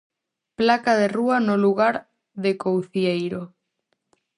Placa de rúa no Lugar de Coucieiro.